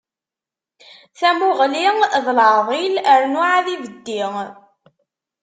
Tamuɣli d leɛḍil, rnu ɛad ibeddi.